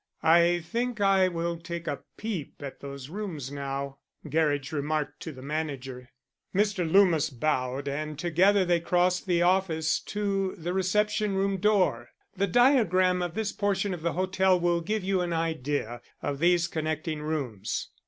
"I think I will take a peep at those rooms now," Gerridge remarked to the manager. Mr. Loomis bowed, and together they crossed the office to the reception room door. The diagram of this portion of the hotel will give you an idea of these connecting rooms.